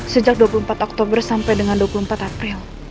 sejak dua puluh empat oktober sampai dengan dua puluh empat april